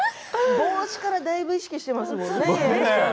帽子からだいぶ意識していますよね。